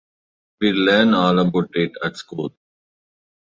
We learnt all about it at school.